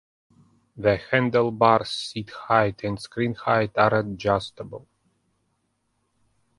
The handlebars, seat height, and screen height are adjustable.